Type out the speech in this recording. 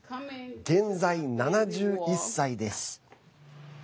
現在、７１歳です。